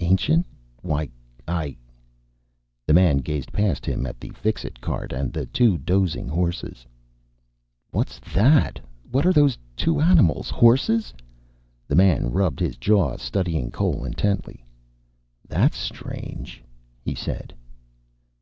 "Ancient? Why, I " The man gazed past him at the Fixit cart and the two dozing horses. "What's that? What are those two animals? Horses?" The man rubbed his jaw, studying Cole intently. "That's strange," he said.